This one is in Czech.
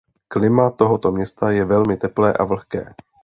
Klima tohoto města je velmi teplé a vlhké.